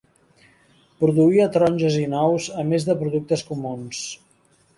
Produïa taronges i nous a més de productes comuns.